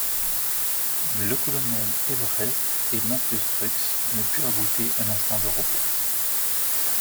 Le colonel Everest et Mathieu Strux ne purent goûter un instant de repos.